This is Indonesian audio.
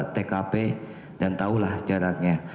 tkp dan tahulah jaraknya